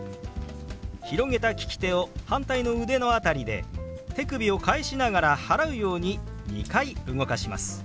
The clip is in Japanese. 広げた利き手を反対の腕の辺りで手首を返しながら払うように２回動かします。